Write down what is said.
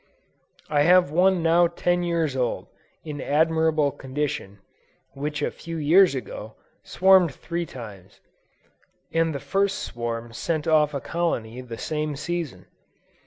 I have one now ten years old, in admirable condition, which a few years ago, swarmed three times, and the first swarm sent off a colony the same season.